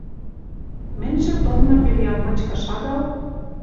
Мӹньжӹ тонна, пел ял мычкы шагал